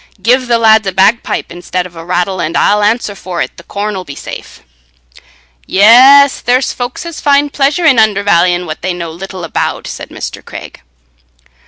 Give the lads a bagpipe instead of a rattle, and I'll answer for it the corn 'll be safe." "Yes, there's folks as find a pleasure in undervallying what they know but little about," said Mr. Craig.